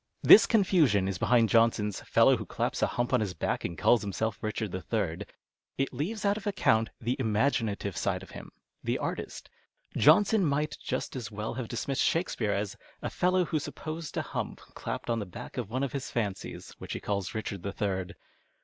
This confusion is behind Johnson's " fellow who claps a hump on his back and calls himself Richard the Third."' It leaves out of account the imaginative side of him, the artist. Johnson might just as well have dismissed Shakespeare as a " fellow who supposed a hump clapped on the back of one of his fancies, which he calls Richard the Third."